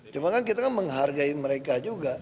cuma kan kita menghargai mereka juga